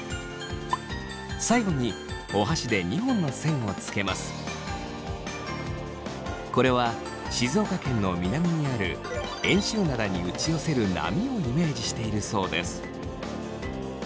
最後にこれは静岡県の南にある遠州灘に打ち寄せる波をイメージしているそうです。